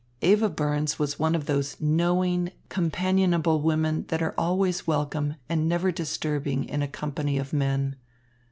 Eva Burns was one of those knowing, companionable women that are always welcome and never disturbing in a company of men.